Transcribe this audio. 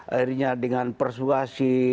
akhirnya dengan persuasi